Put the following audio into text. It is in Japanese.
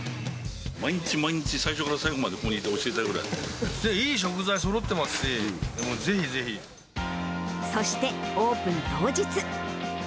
毎日毎日最初から最後まで、いい食材そろってますし、そして、オープン当日。